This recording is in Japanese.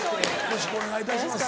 よろしくお願いします。